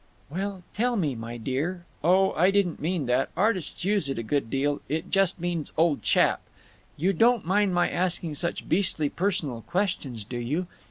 "Well—tell me, my dear—Oh, I didn't mean that; artists use it a good deal; it just means 'old chap.' You don't mind my asking such beastly personal questions, do you?